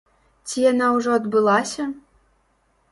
Ці яна ўжо адбылася?